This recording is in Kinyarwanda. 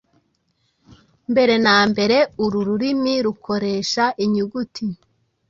Mbere na mbere uru rurimi rukoresha inyuguti